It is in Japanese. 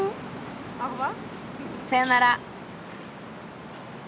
さよなら。